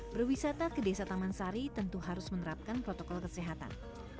berwisata ke desa taman sari tentu harus menerapkan protokol kesehatan